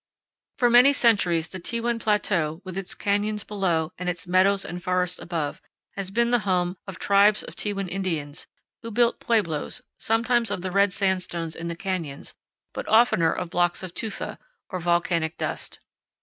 For many centuries the Tewan Plateau, with its canyons below and its meadows and forests above, has been the home of tribes of Tewan Indians, who built pueblos, sometimes of the red sandstones in the canyons, but oftener of blocks of tufa, or volcanic dust.